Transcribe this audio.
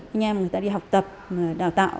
anh em người ta đi học tập đào tạo